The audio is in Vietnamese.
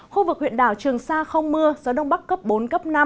khu vực huyện đảo trường sa không mưa gió đông bắc cấp bốn cấp năm